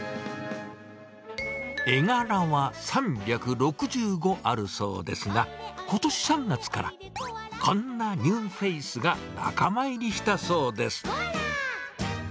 絵柄は３６５あるそうですが、ことし３月から、こんなニューフェイスが仲間入りしたそうです。